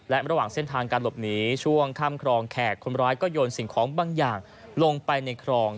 และระหว่างเส้นทางการหลบหนีช่วงข้ามครองแขกคนร้ายก็โยนสิ่งของบางอย่างลงไปในคลอง